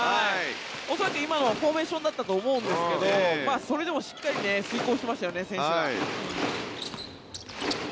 恐らく今のはフォーメーションだったと思うんですがそれでもしっかり遂行してましたよね選手が。